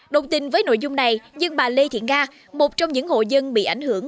đồng tình với nội dung này nhưng bà lê thiện nga một trong những hộ dân bị ảnh hưởng